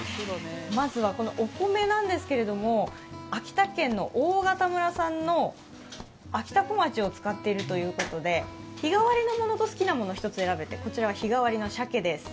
まずはこのお米なんですけど秋田県の大潟村産のあきたこまちを使っているということで日替わりのものと好きなものを１つ選べて、こちらは日替わりのしゃけです。